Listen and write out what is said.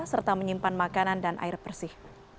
serta menyimpan makanan dan air bersih